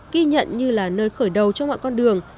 ghi nhận như là nơi khởi đầu cho mọi con đường